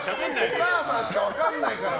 お母さんしか分からないから。